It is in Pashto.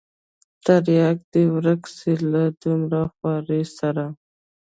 ترياک دې ورک سي له دومره خوارۍ سره.